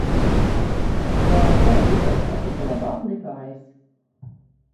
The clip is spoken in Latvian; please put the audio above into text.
Vai tev Pīters patika labāk nekā es?